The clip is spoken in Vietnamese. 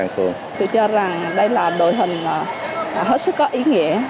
tôi cho rằng đây là đội hình hết sức có ý nghĩa